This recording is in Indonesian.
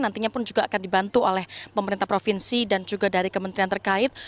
nantinya pun juga akan dibantu oleh pemerintah provinsi dan juga dari kementerian terkait